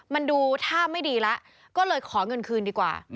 มันดูท่าไม่ดีแล้วก็เลยขอเงินคืนดีกว่า